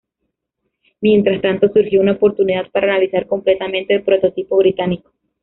Mientras tanto, surgió una oportunidad para analizar completamente el prototipo británico.